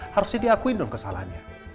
harusnya diakui dong kesalahannya